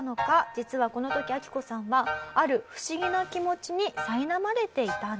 実はこの時アキコさんはある不思議な気持ちにさいなまれていたんです。